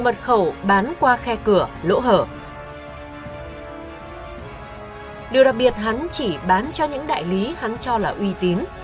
điều đặc biệt hắn chỉ bán cho những đại lý hắn cho là uy tín